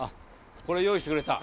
これ用意してくれた？